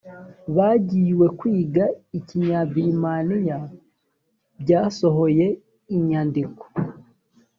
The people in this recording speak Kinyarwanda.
bagiywe kwiga ikinyabirimaniya b yasohoye inyandiko